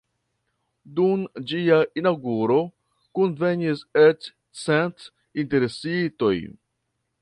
Dum ĝia inaŭguro kunvenis eĉ cent interesitoj.